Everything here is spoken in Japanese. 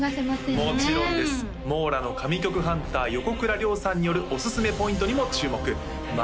もちろんですｍｏｒａの神曲ハンター横倉涼さんによるおすすめポイントにも注目ま